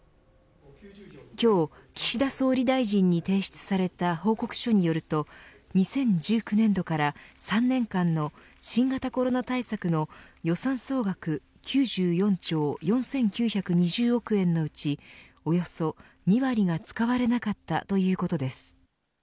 今日、岸田総理大臣に提出された報告書によると２０１９年度から３年間の新型コロナ対策の予算総額９４兆４９２０億円のうちおよそ２割が使われなかったということです。